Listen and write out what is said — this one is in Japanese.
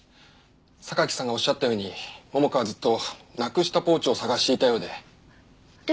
榊さんがおっしゃったように桃香はずっとなくしたポーチを捜していたようで。